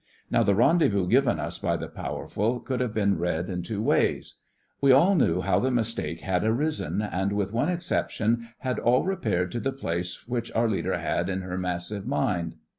Now the rendezvous given us by the Powerful could have been read in two ways. We all knew how the mistake had arisen, and, with one exception, had all repaired to the place which our leader had in her massive mind.